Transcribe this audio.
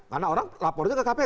karena orang lapornya ke kpk